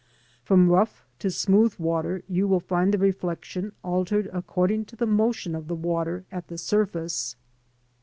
From rough to smooth water you will find the reflection altered according to the motion of the water at the surface.